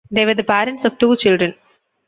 They were the parents of two children.